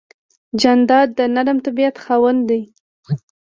جانداد د نرم طبیعت خاوند دی.